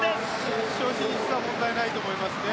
決勝進出は問題ないと思いますね。